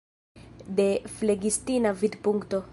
De flegistina vidpunkto.